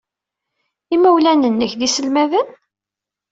Imawlan-nnek d iselmaden?